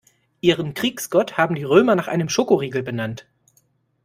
Ihren Kriegsgott haben die Römer nach einem Schokoriegel benannt.